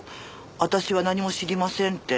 私は何も知りませんって。